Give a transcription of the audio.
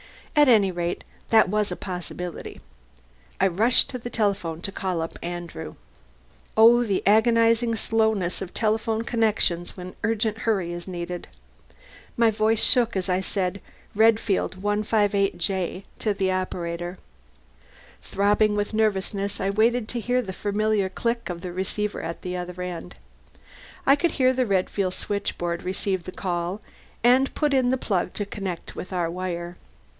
At any rate, that was a possibility. I rushed to the telephone to call up Andrew. Oh! the agonizing slowness of telephone connections when urgent hurry is needed! My voice shook as I said "Redfield 158 J" to the operator. Throbbing with nervousness I waited to hear the familiar click of the receiver at the other end. I could hear the Redfield switchboard receive the call, and put in the plug to connect with our wire.